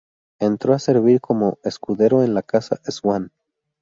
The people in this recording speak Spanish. Entró a servir como escudero en la Casa Swann.